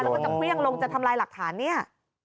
แล้วก็จะเครื่องลงจะทำลายหลักฐานเนี่ย